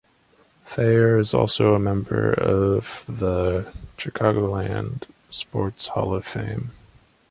Thayer is also a member of the Chicagoland Sports Hall of Fame.